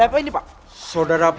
lo kenal sama dia